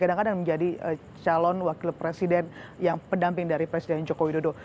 kadang kadang menjadi calon wakil presiden yang pendamping dari presiden joko widodo